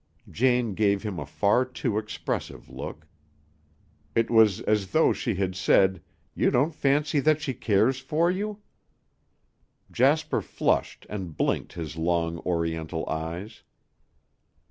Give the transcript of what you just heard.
Jane gave him a far too expressive look. It was as though she had said, "You don't fancy that she cares for you?" Jasper flushed and blinked his long, Oriental eyes.